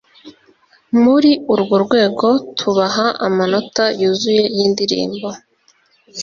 muri urwo rwego tubaha amanota yuzuye y’indirimbo